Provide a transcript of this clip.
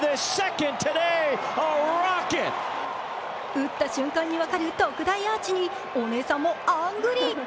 打った瞬間に分かる特大アーチにお姉さんもあんぐり。